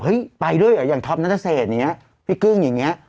เฮ้ยไปด้วยอ่ะอย่างท็อปน้าเศษพี่กึ้งอย่างนี้